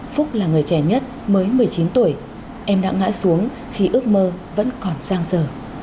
phúc là người trẻ nhất mới một mươi chín tuổi em đã ngã xuống khi ước mơ vẫn còn giang dở